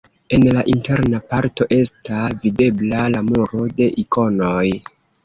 En la interna parto esta videbla la muro de ikonoj.